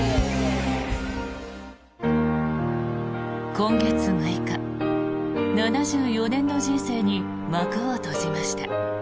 今月６日７４年の人生に幕を閉じました。